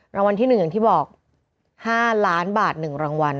รางวัลที่๑อย่างที่บอก๕ล้านบาท๑รางวัล